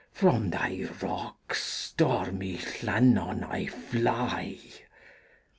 From thy rocks, stormy Llannon, I fly.